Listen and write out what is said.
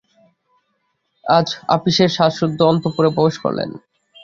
আজ আপিসের সাজসুদ্ধ অন্তঃপুরে প্রবেশ করলে।